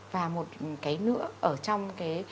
và một cái nữa ở trong